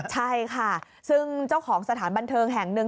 ใช่ค่ะซึ่งเจ้าของสถานบันเทิงแห่งหนึ่ง